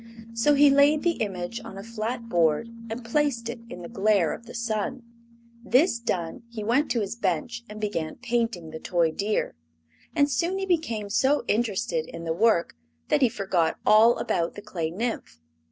So he laid the image on a flat board and placed it in the glare of the sun. This done, he went to his bench and began painting the toy deer, and soon he became so interested in the work that he forgot all about the clay nymph.